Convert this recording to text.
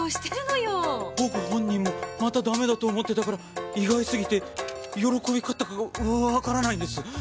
僕本人もまたダメだと思ってたから意外すぎて喜び方がわからないんです。